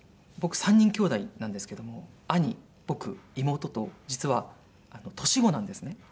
僕３人きょうだいなんですけども兄僕妹と実は年子なんですね。